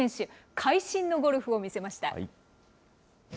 会心のゴルフを見せました。